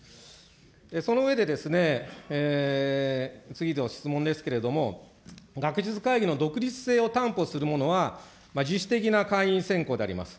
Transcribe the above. その上でですね、次の質問ですけれども、学術会議の独立性を担保するものは、自主的な会員選考であります。